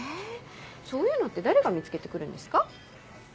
そういうのって誰が見つけて来るんですか？